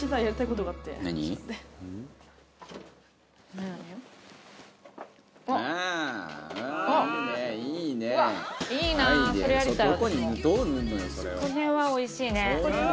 これはおいしい。